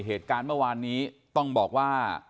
เหตุการณ์เมื่อวานนี้ต้องบอกว่า